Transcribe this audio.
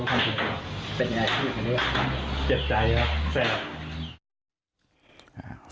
เป็นยังไงเป็นแบบนี้ครับเจ็บใจครับแสดง